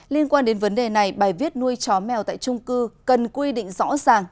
liên quan đến vấn đề này bài viết nuôi chó mèo tại trung cư cần quy định rõ ràng